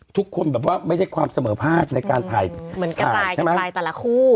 ทุกคนแบบว่าไม่ได้ความเสมอภาคในการถ่ายเหมือนกระจายกันไปแต่ละคู่